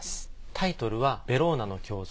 タイトルは『ベローナの胸像』。